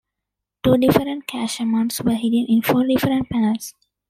Two different cash amounts were hidden in four different panels.